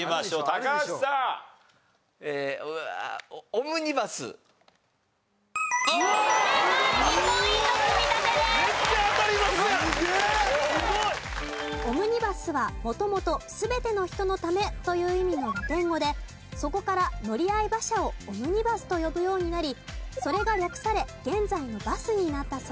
オムニバスは元々「全ての人のため」という意味のラテン語でそこから乗合馬車をオムニバスと呼ぶようになりそれが略され現在のバスになったそうです。